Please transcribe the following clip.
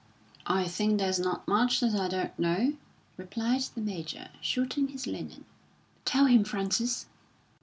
"I think there's not much that I don't know," replied the Major, shooting his linen. "Tell him, Frances."